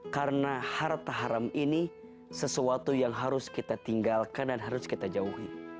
karena harta haram ini sesuatu yang harus kita tinggalkan dan harus kita jauhi